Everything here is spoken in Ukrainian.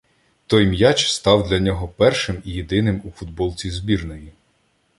Той м'яч став для нього першим і єдиним у футболці збірної.